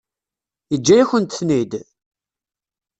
Yeǧǧa-yakent-ten-id?